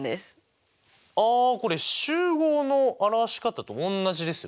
ああこれ集合の表し方とおんなじですよね。